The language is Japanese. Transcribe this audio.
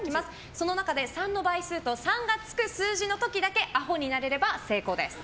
その中で３の倍数と３がつく数字の時だけアホになれれば成功です。